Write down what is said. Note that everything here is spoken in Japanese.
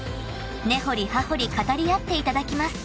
［根掘り葉掘り語り合っていただきます］